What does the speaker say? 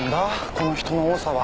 この人の多さは。